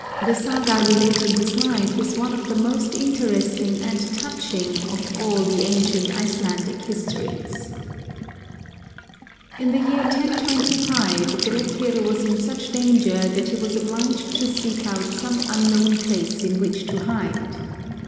The Saga relating his life is one of the most interesting and touching of all the ancient Icelandic histories. In the year 1025 Grettir was in such danger that he was obliged to seek out some unknown place in which to hide.